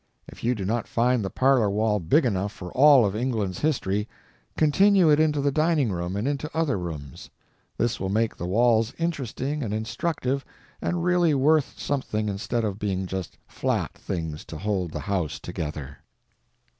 If you do not find the parlor wall big enough for all of England's history, continue it into the dining room and into other rooms. This will make the walls interesting and instructive and really worth something instead of being just flat things to hold the house together.